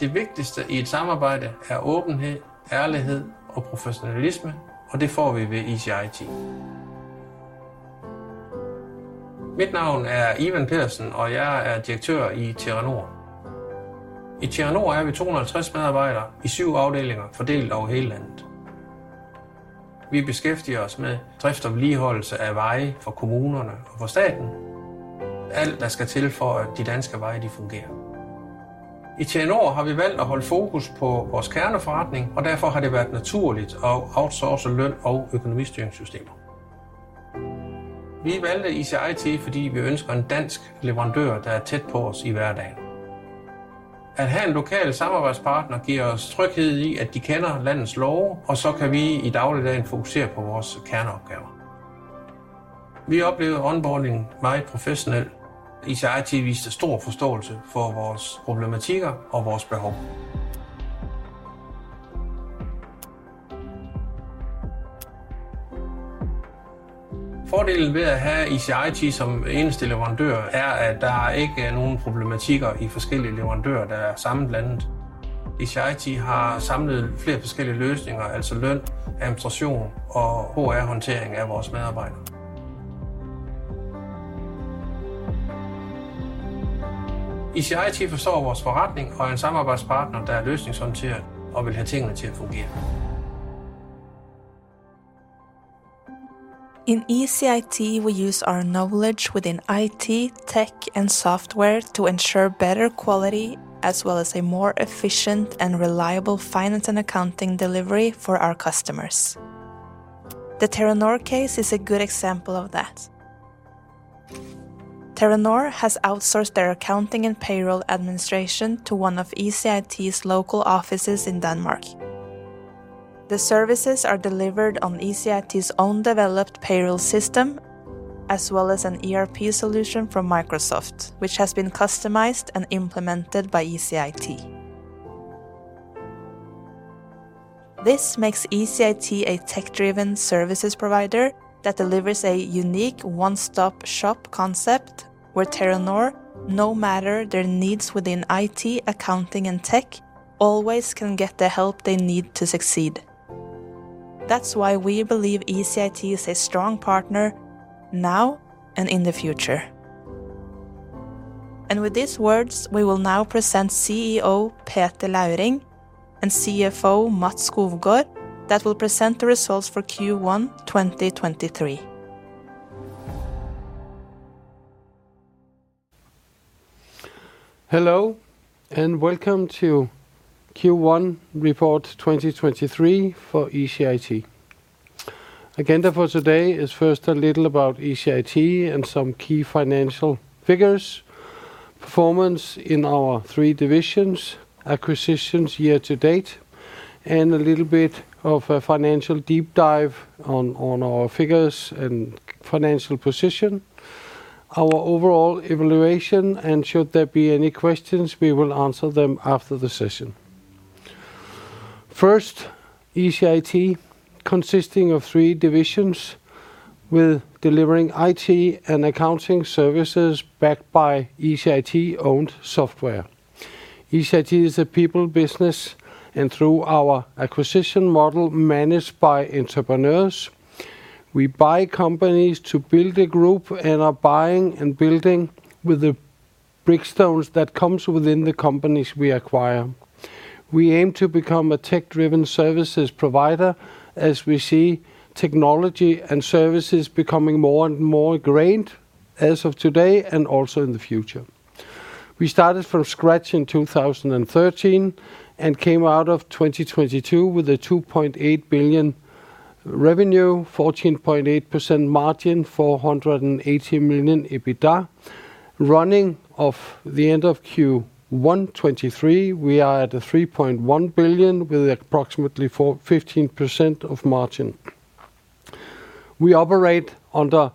Det vigtigste i et samarbejde er åbenhed, ærlighed og professionalisme, og det får vi ved easyIT. Mit navn er Ivan Pedersen, og jeg er Direktør i Terranor. I Terranor er vi 250 medarbejdere i 7 afdelinger fordelt over hele landet. Vi beskæftiger os med drift og vedligeholdelse af veje for kommunerne og for staten. Alt, der skal til for, at de danske veje de fungerer. I Terranor har vi valgt at holde fokus på vores kerneforretning, og derfor har det været naturligt at outsource løn og økonomistyringssystemer. Vi valgte easyIT, fordi vi ønsker en dansk leverandør, der er tæt på os i hverdagen. At have en lokal samarbejdspartner giver os tryghed i, at de kender landets love, og så kan vi i dagligdagen fokusere på vores kerneopgaver. Vi oplevede onboarding meget professionel. easyIT viste stor forståelse for vores problematikker og vores behov. Fordelen ved at have easyIT som eneste leverandør er, at der ikke er nogen problematikker i forskellige leverandører, der er sammenblandet. easyIT har samlet flere forskellige løsninger, altså løn, administration og HR-håndtering af vores medarbejdere. easyIT forstår vores forretning og er en samarbejdspartner, der er løsningsorienteret og vil have tingene til at fungere. In easyIT we use our knowledge within IT, tech and software to ensure better quality as well as a more efficient and reliable finance and accounting delivery for our customers. The Terranor case is a good example of that. Terranor has outsourced their accounting and payroll administration to one of easyIT's local offices in Denmark. The services are delivered on easyIT's own developed payroll system as well as an ERP solution from Microsoft, which has been customized and implemented by easyIT. This makes easyIT a tech driven services provider that delivers a unique one stop shop concept, where Terranor no matter their needs within IT, accounting and tech always can get the help they need to succeed. That's why we believe easyIT is a strong partner now and in the future. With these words we will now present CEO Peter Lauring and CFO Mads Skovgaard that will present the results for Q1 2023. Hello, welcome to Q1 report 2023 for easyIT. Agenda for today is first a little about easyIT and some key financial figures, performance in our three divisions, acquisitions year to date, and a little bit of a financial deep dive on our figures and financial position, our overall evaluation and should there be any questions, we will answer them after the session. First, easyIT consisting of three divisions with delivering IT and accounting services backed by easyIT owned software. easyIT is a people business through our acquisition model managed by entrepreneurs, we buy companies to build a group and are buying and building with the brick stones that comes within the companies we acquire. We aim to become a tech driven services provider as we see technology and services becoming more and more grained as of today and also in the future. We started from scratch in 2013 and came out of 2022 with a 2.8 billion revenue, 14.8% margin, 480 million EBITDA. Running of the end of Q1 2023, we are at a 3.1 billion with approximately 15% of margin. We operate under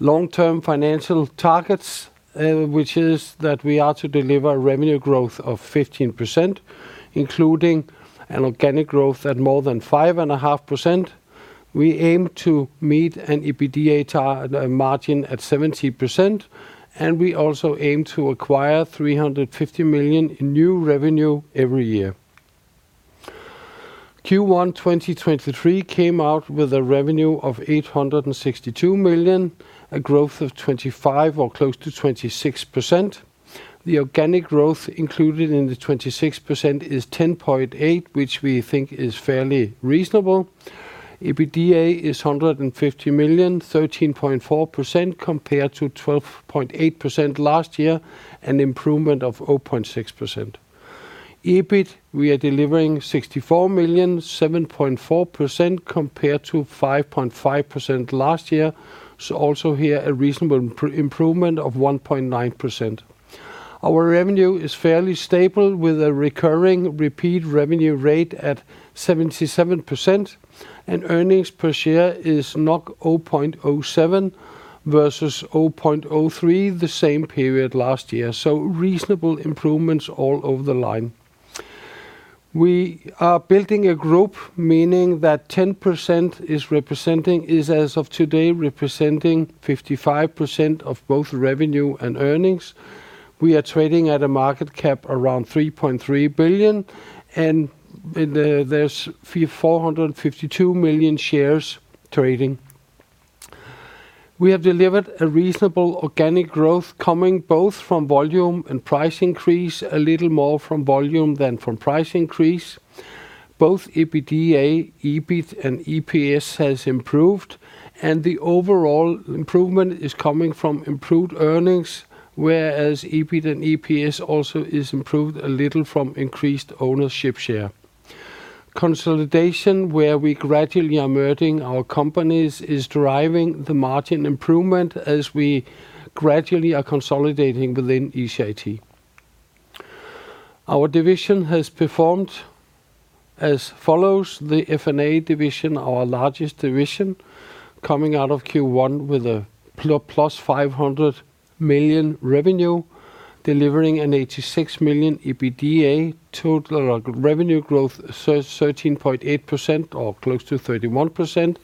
long-term financial targets, which is that we are to deliver revenue growth of 15%, including an organic growth at more than 5.5%. We aim to meet an EBITDA margin at 70%, and we also aim to acquire 350 million in new revenue every year. Q1 2023 came out with a revenue of 862 million, a growth of 25% or close to 26%. The organic growth included in the 26% is 10.8%, which we think is fairly reasonable. EBITDA is 150 million, 13.4% compared to 12.8% last year, an improvement of 0.6%. EBIT, we are delivering 64 million, 7.4% compared to 5.5% last year. Also here a reasonable improvement of 1.9%. Our revenue is fairly stable with a recurring repeat revenue rate at 77% and earnings per share is 0.07 versus 0.03 the same period last year. Reasonable improvements all over the line. We are building a group, meaning that 10% is as of today representing 55% of both revenue and earnings. We are trading at a market cap around 3.3 billion, and there's 452 million shares trading. We have delivered a reasonable organic growth coming both from volume and price increase, a little more from volume than from price increase. Both EBITDA, EBIT and EPS has improved, and the overall improvement is coming from improved earnings, whereas EBIT and EPS also is improved a little from increased ownership share. Consolidation, where we gradually are merging our companies, is driving the margin improvement as we gradually are consolidating within easyIT. Our division has performed as follows. The FNA division, our largest division, coming out of Q1 with a plus 500 million revenue, delivering an 86 million EBITDA. Total revenue growth 13.8% or close to 31%.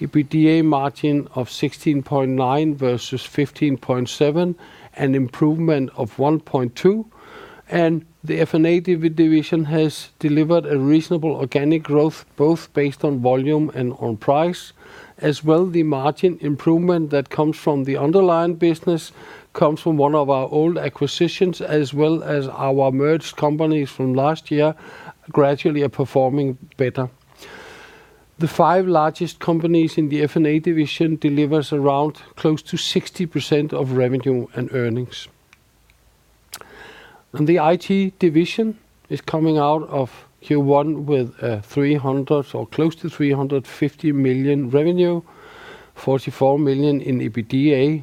EBITDA margin of 16.9% versus 15.7%, an improvement of 1.2. The FNA division has delivered a reasonable organic growth, both based on volume and on price. As well, the margin improvement that comes from the underlying business comes from one of our old acquisitions, as well as our merged companies from last year gradually are performing better. The five largest companies in the FNA division delivers around close to 60% of revenue and earnings. The IT division is coming out of Q1 with 300 million or close to 350 million revenue, 44 million in EBITDA,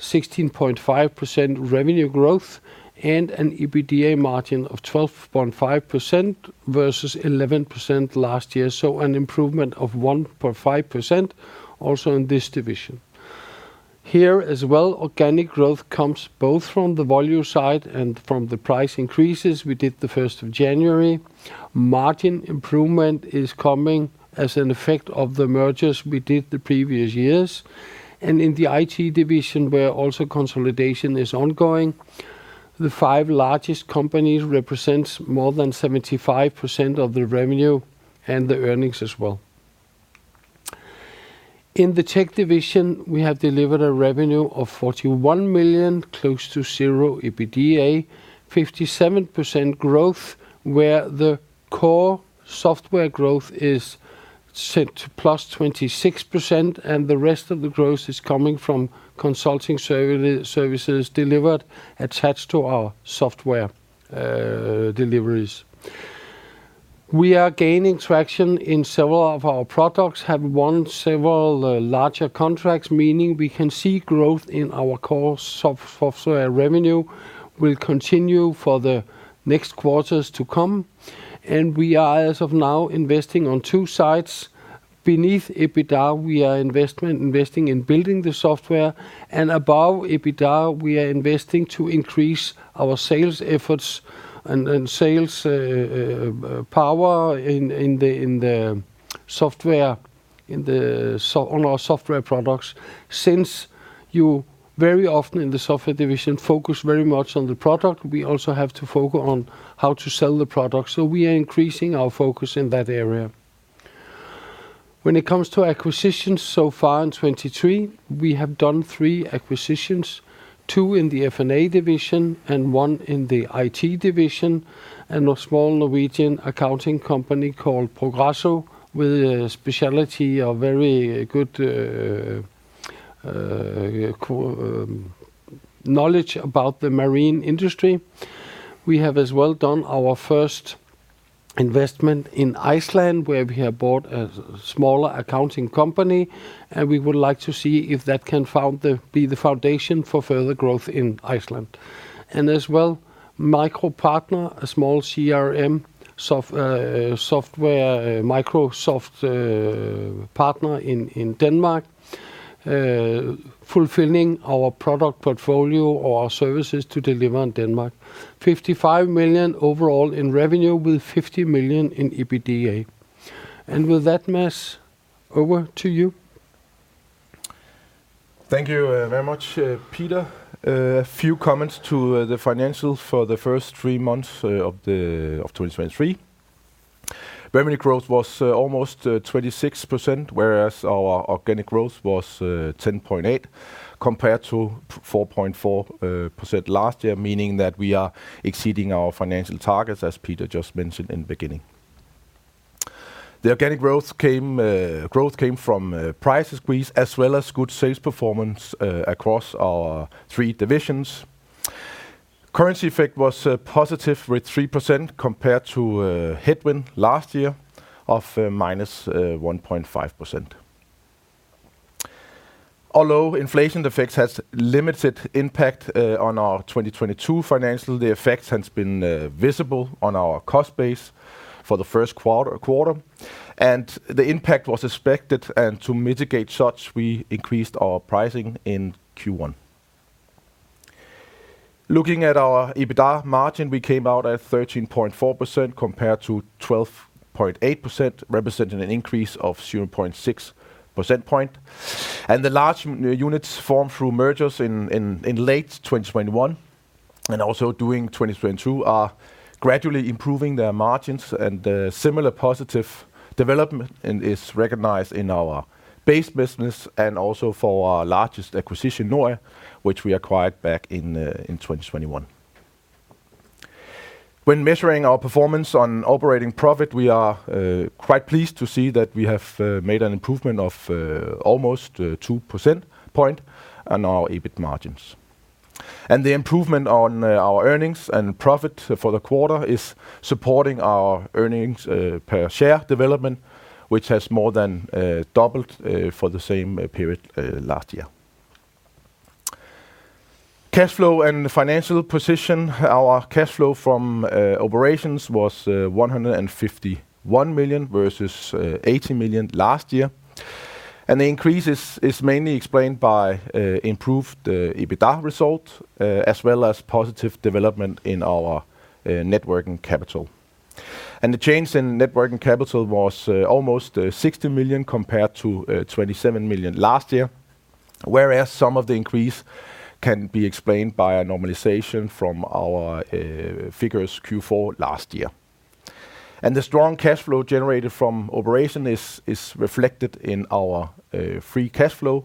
16.5% revenue growth and an EBITDA margin of 12.5% versus 11% last year. An improvement of 1.5% also in this division. Here as well, organic growth comes both from the volume side and from the price increases we did the 1st of January. Margin improvement is coming as an effect of the mergers we did the previous years. In the IT division, where also consolidation is ongoing, the five largest companies represents more than 75% of the revenue and the earnings as well. In the tech division, we have delivered a revenue of 41 million, close to zero EBITDA, 57% growth, where the core software growth is set +26% and the rest of the growth is coming from consulting services delivered attached to our software deliveries. We are gaining traction in several of our products, have won several larger contracts, meaning we can see growth in our core software revenue will continue for the next quarters to come, we are as of now investing on two sides. Beneath EBITDA, we are investing in building the software, above EBITDA, we are investing to increase our sales efforts and sales power in the software, on our software products. Since you very often in the software division focus very much on the product, we also have to focus on how to sell the product. We are increasing our focus in that area. When it comes to acquisitions so far in 2023, we have done three acquisitions, two in the FNA division and 1 in the IT division, and a small Norwegian accounting company called Progresso with a specialty of very good knowledge about the marine industry. We have as well done our first investment in Iceland, where we have bought a smaller accounting company. We would like to see if that can be the foundation for further growth in Iceland. As well, MicroPartner, a small CRM software, Microsoft partner in Denmark, fulfilling our product portfolio or our services to deliver in Denmark. 55 million overall in revenue with 50 million in EBITDA. With that, Mads, over to you. Thank you, very much, Peter. A few comments to the financials for the first three months of 2023. Revenue growth was almost 26%, whereas our organic growth was 10.8 compared to 4.4% last year, meaning that we are exceeding our financial targets, as Peter just mentioned in the beginning. The organic growth came from price increase as well as good sales performance across our three divisions. Currency effect was positive with 3% compared to a headwind last year of minus 1.5%. Although inflation effects has limited impact on our 2022 financial, the effect has been visible on our cost base for the first quarter, and the impact was expected, and to mitigate such, we increased our pricing in Q1. Looking at our EBITDA margin, we came out at 13.4% compared to 12.8%, representing an increase of 0.6 percent point. The large units formed through mergers in late 2021 and also during 2022 are gradually improving their margins and the similar positive development and is recognized in our base business and also for our largest acquisition, NØY, which we acquired back in 2021. When measuring our performance on operating profit, we are quite pleased to see that we have made an improvement of almost 2 percent point on our EBIT margins. The improvement on our earnings and profit for the quarter is supporting our earnings per share development, which has more than doubled for the same period last year. Cash flow and financial position. Our cash flow from operations was 151 million versus 80 million last year. The increase is mainly explained by improved EBITDA result as well as positive development in our net working capital. The change in net working capital was almost 60 million compared to 27 million last year, whereas some of the increase can be explained by a normalization from our figures Q4 last year. The strong cash flow generated from operation is reflected in our free cash flow,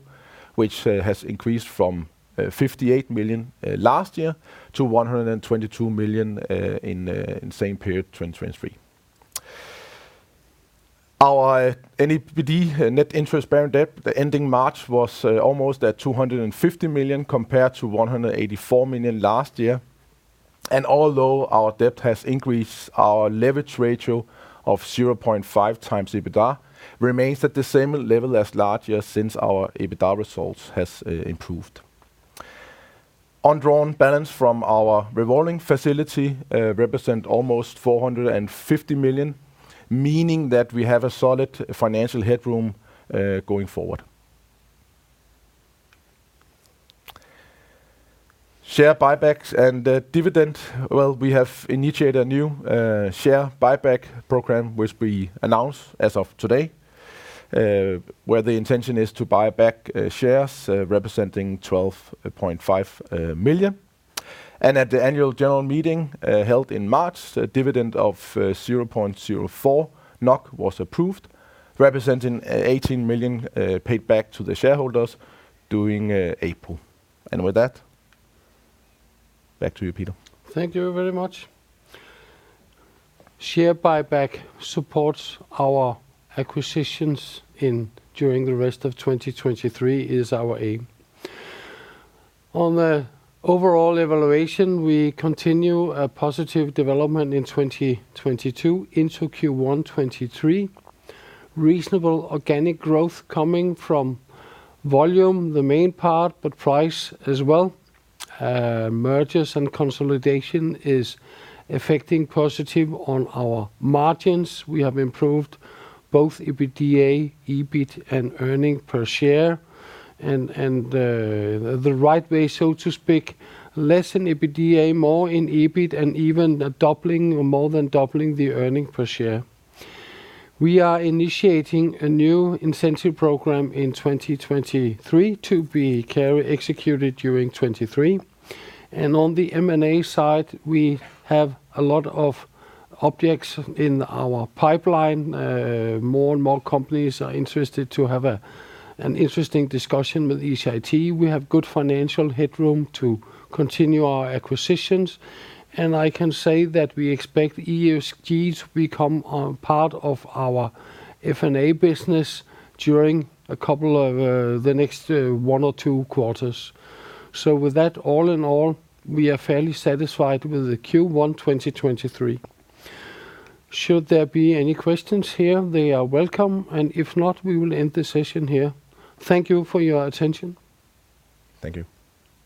which has increased from 58 million last year to 122 million in same period 2023. Our NIBD, Net Interest-Bearing Debt, ending March was almost at 250 million compared to 184 million last year. Although our debt has increased, our leverage ratio of 0.5 times EBITDA remains at the same level as last year since our EBITDA results has improved. Undrawn balance from our revolving facility, represent almost 450 million, meaning that we have a solid financial headroom going forward. Share buybacks and dividend. Well, we have initiated a new share buyback program, which we announce as of today, where the intention is to buy back shares representing 12.5 million. At the annual general meeting, held in March, a dividend of 0.04 NOK was approved, representing 18 million paid back to the shareholders during April. With that, back to you, Peter. Thank you very much. Share buyback supports our acquisitions in during the rest of 2023 is our aim. On the overall evaluation, we continue a positive development in 2022 into Q1 2023. Reasonable organic growth coming from volume, the main part, but price as well. Mergers and consolidation is affecting positive on our margins. We have improved both EBITDA, EBIT and earning per share and, the right way, so to speak, less in EBITDA, more in EBIT and even doubling or more than doubling the earning per share. We are initiating a new incentive program in 2023 to be executed during 2023. On the M&A side, we have a lot of objects in our pipeline. More and more companies are interested to have a, an interesting discussion with easyIT. We have good financial headroom to continue our acquisitions. I can say that we expect ESG to become part of our FNA business during a couple of the next one or two quarters. With that, all in all, we are fairly satisfied with the Q1 2023. Should there be any questions here, they are welcome. If not, we will end the session here. Thank you for your attention. Thank you.